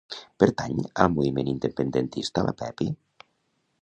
Pertany al moviment independentista la Pepi?